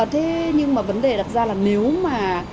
thế nhưng mà vấn đề đặt ra là nếu mà